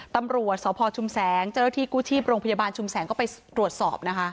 ตำรวจสพชุมแสงเจ้าหน้าที่กู้ชีพโรงพยาบาลชุมแสงก็ไปตรวจสอบนะคะ